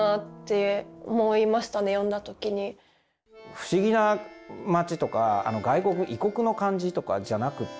不思議な町とか外国異国の感じとかじゃなくて。